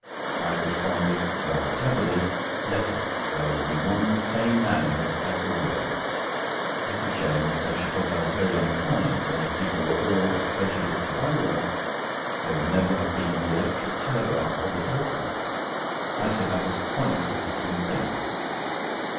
I responded rather cleverly: "Let it. There will be one sane man in it, at all events." Mrs. James said she thought it was very unkind, and if people were all as prejudiced as I was, there would never have been the electric telegraph or the telephone. I said that was quite a different thing.